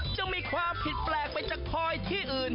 จะมีความผิดแปลกไปจากพลอยที่อื่น